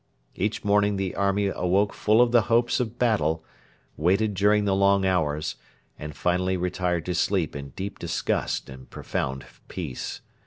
Each morning the army awoke full of the hopes of battle, waited during the long hours, and finally retired to sleep in deep disgust and profound peace.